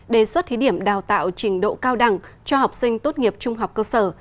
đề xuất thí điểm đào tạo trình độ cao đẳng cho học sinh tốt nghiệp trung học cơ sở